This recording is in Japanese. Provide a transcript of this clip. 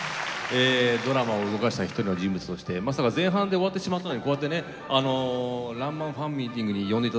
ドラマを動かした一人の人物としてまさか前半で終わってしまったのにこうやってね「らんまん」ファンミーティングに呼んでいただけるなんて